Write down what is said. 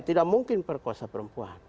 tidak mungkin perkosa perempuan